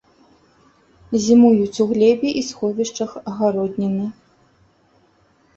Зімуюць у глебе і сховішчах агародніны.